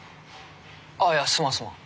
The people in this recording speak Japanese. ああいやすまんすまん。